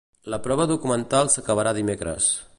La prova documental s’acabarà dimecres.